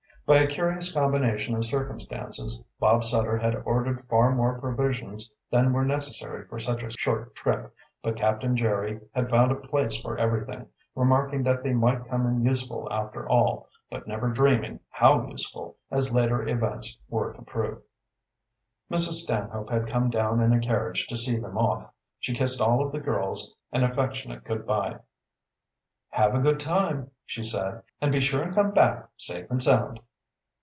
By a curious combination of circumstances Bob Sutter had ordered far more provisions than were necessary for such a short trip, but Captain Jerry had found a place for everything, remarking that they might come in useful after all, but never dreaming how useful, as later events were to prove. Mrs. Stanhope had come down in a carriage to see them off. She kissed all of the girls an affectionate good by. "Have a good time," she said. "And be sure and come back safe and sound."